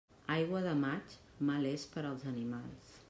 Aigua de maig, mal és per als animals.